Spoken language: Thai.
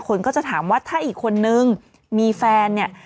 คนก็จะถามว่าถ้าอีกคนนึงมีแฟนเนี่ย